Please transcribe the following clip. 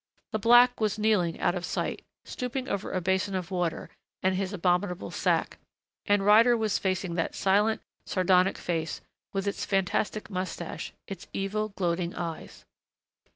The black was kneeling, out of sight, stooping over a basin of water and his abominable sack, and Ryder was facing that silent, sardonic face, with its fantastic mustache, its evil, gloating eyes....